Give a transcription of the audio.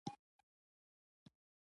احمده! هم يې سڼکې او هم يې رغوې.